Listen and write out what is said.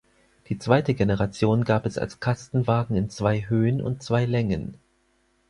Die zweite Generation gab es als Kastenwagen in zwei Höhen und zwei Längen.